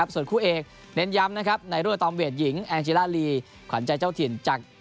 ส่วนคู่เอกเน้นย้ำในรุ่นตอมเวทยิงแองเจล่าลีขวัญใจเจ้าถิ่น